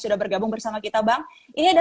sudah bergabung bersama kita bang ini ada